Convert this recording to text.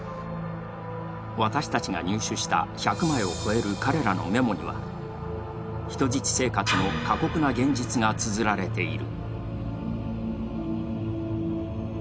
私たちが入手した１００枚を超える彼らのメモには人質生活の過酷な現実がつづられている。